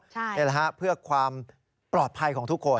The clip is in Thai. นี่แหละฮะเพื่อความปลอดภัยของทุกคน